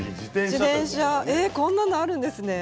自転車こんなのがあるんですね。